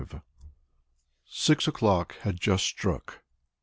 V Six o'clock had just struck.